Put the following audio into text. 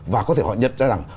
và có thể họ nhận ra rằng